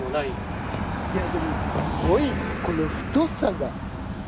いやでもすごいこの太さが。